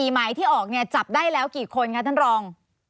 หมายที่ออกเนี่ยจับได้แล้วกี่คนคะท่านรอง